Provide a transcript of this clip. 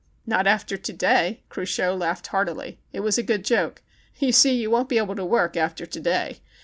"Not after to day." Cruchot laughed heanily. It was a good joke. "You see, you won't be able to work after to day.